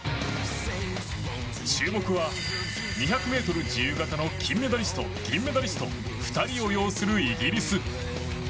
注目は２００ｍ自由形の金メダリスト銀メダリスト２人を擁するイギリス。